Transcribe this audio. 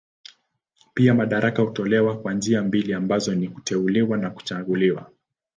Pia madaraka hutolewa kwa njia mbili ambazo ni kuteuliwa na kuchaguliwa.